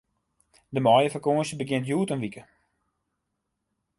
De maaiefakânsje begjint hjoed in wike.